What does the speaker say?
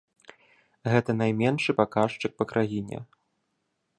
Гэта найменшы паказчык па краіне.